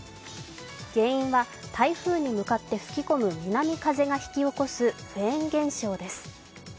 原因は台風に向かって吹き込む南風が引き起こすフェーン現象です。